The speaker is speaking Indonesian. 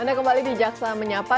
anda kembali di jaksa menyapa